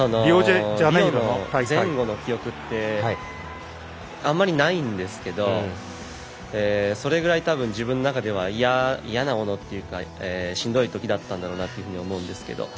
リオの前後の記憶ってあんまりないんですけどそれぐらいたぶん自分の中では嫌なものというかしんどいときだったんだろうなというふうに思うんですけど。